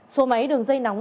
số máy đường dây nóng